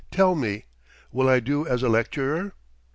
Tell me! Will I do as a lecturer?"